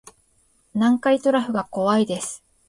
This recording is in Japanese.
南海トラフが怖いです